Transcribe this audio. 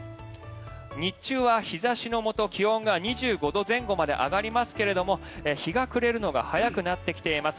日中は日差しのもと、気温が２５度前後まで上がりますが日が暮れるのが早くなってきています。